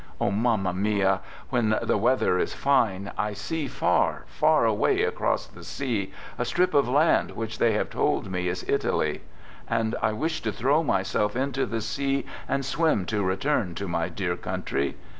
Oh, Mamma mia, when the weather is fine, I see far, far away across the sea, a strip of land which they have told me is Italy, and I wished to throw myself into the sea and swim to return to my dear country.